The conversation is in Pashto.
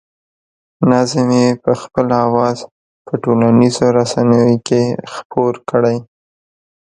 نظم یې په خپل اواز په ټولنیزو رسنیو کې خپور کړی.